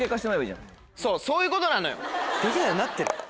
そうそういうことなのよできないようになってる。